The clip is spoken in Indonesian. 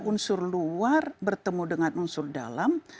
unsur luar bertemu dengan unsur dalam